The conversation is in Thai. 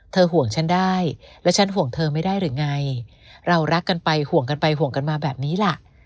ห่วงฉันได้และฉันห่วงเธอไม่ได้หรือไงเรารักกันไปห่วงกันไปห่วงกันมาแบบนี้ล่ะ